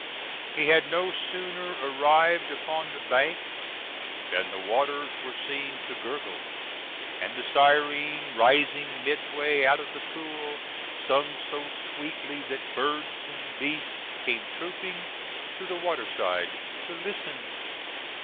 He had no, sooner arrived upon the banks than the waters were seen to gurgle, and the siren, rising midway out of the pool, sung so sweetly that birds and beasts came trooping to the water side to listen.